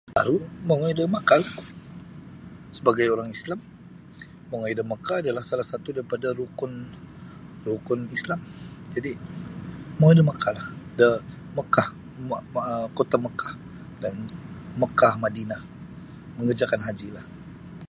Aru mongoi da Makkah la sebagai orang islam mongoi da Mekah adalah salah satu daripada rukun rulun islam jadi mongoi da Mekahlah Mekah um Kota Mekah dan Mekah Madinah mengerjakan haji lah.